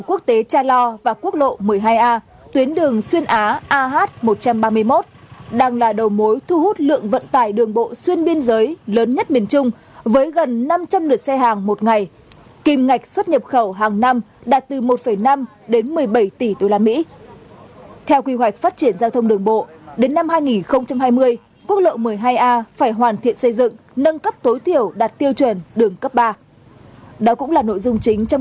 tuyến quốc lộ một mươi hai a đoạn đường từ ngã ba khe ve lên cửa khẩu quốc tế cha lo có chiều dài gần bốn mươi km